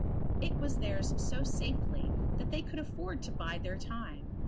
It was theirs so safely that they could afford to bide their time.